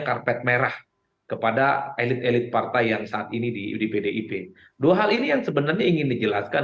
karpet merah kepada elit elit partai yang saat ini di pdip dua hal ini yang sebenarnya ingin dijelaskan